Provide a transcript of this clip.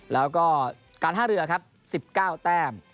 แล้วก็การท่าเรือครับ๑๙แต้ม